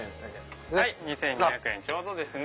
２２００円ちょうどですね。